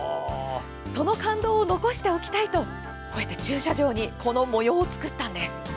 その感動を残しておきたいと駐車場にこの模様を作ったのです。